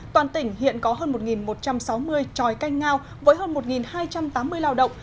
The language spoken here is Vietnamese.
toàn tỉnh hiện có hơn một một trăm sáu mươi tròi canh ngao với hơn một hai trăm tám mươi lao động